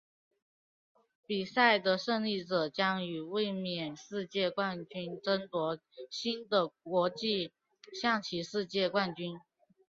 比赛的胜利者将与卫冕世界冠军争夺新的国际象棋世界冠军。